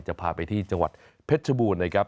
จะพาไปที่จังหวัดเพชรชบูรณ์นะครับ